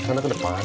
sana ke depan